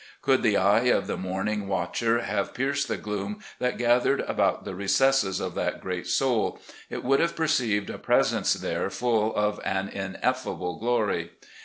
Could the eye of the mourning watcher have pierced the gloom that gathered about the recesses of that great soul it would have perceived a presence there fxiU of an ineffable glory.